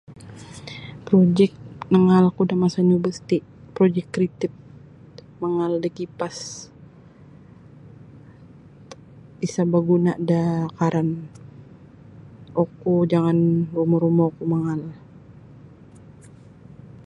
Projek nangaal ku da masa Universiti projek kreatif mangaal da kipas isa baguna da karan oku jangan rumo-rumo ku mangaal.